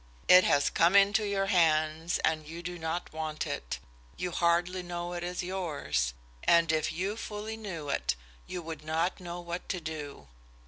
It has come into your hands and you do not want it. You hardly know it is yours; and if you fully knew it you would not know what to do!